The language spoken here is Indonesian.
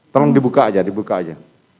tolong dibuka aja dibuka aja